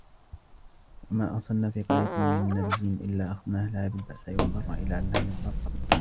وما أرسلنا في قرية من نبي إلا أخذنا أهلها بالبأساء والضراء لعلهم يضرعون